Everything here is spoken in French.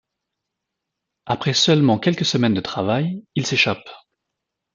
Après seulement quelques semaines de travail, il s'échappe.